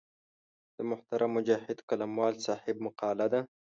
د محترم مجاهد قلموال صاحب مقاله ده.